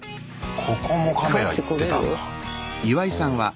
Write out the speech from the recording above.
ここもカメラ行ってたんだ。え！